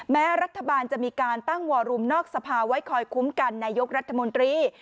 แม้รัฐบาลจะมีการตั้งวอรุมนอกสภาไว้คอยคุ้มกันนายกรัฐมนตรี